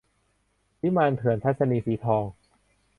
วิมานเถื่อน - ทัศนีย์ สีทอง